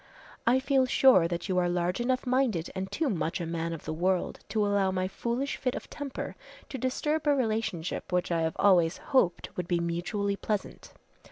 "I feel sure that you are large enough minded and too much a man of the world to allow my foolish fit of temper to disturb a relationship which I have always hoped would be mutually pleasant.